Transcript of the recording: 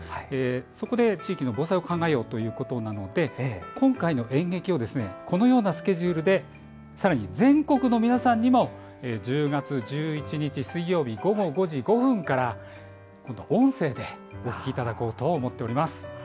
そこで地域の防災を考えようということなので今回の演劇をこのようなスケジュールでさらに全国の皆さんにも１０月１１日、水曜日午後５時５分から、音声でお聴きいただこうと思っています。